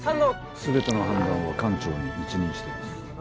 全ての判断は艦長に一任しています。